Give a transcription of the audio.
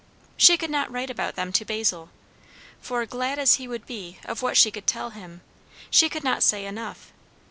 She could not write about them to Basil; for, glad as he would be of what she could tell him, she could not say enough.